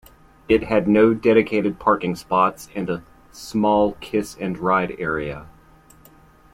It had no dedicated parking spots and a small kiss-and-ride area.